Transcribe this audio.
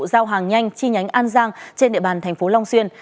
giao hàng nhanh chi nhánh an giang trên địa bàn tp long xuyên